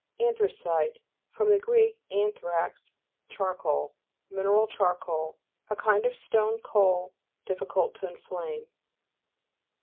ANTHRACITE fr. gr. anthrax, char coal. Mineral charcoal. A kind of stone coal difficult to inflame.